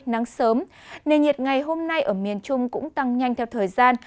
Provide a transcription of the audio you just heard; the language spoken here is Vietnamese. nên nhiệt ngày hôm nay ở miền trung cũng tăng nhanh theo thời gian